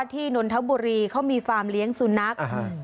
ที่นนทะบุรีเขามีฟาร์มเลี้ยงสุนักอ่าฮะ